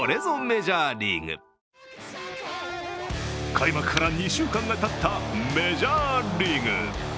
開幕から２週間がたったメジャーリーグ。